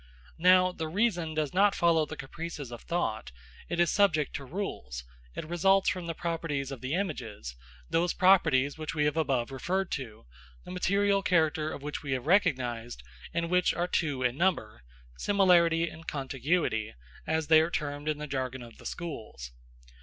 Now, the reason does not follow the caprices of thought, it is subject to rules; it results from the properties of the images, those properties which we have above referred to, the material character of which we have recognised, and which are two in number similarity and contiguity, as they are termed in the jargon of the schools.